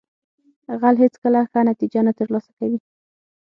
غل هیڅکله ښه نتیجه نه ترلاسه کوي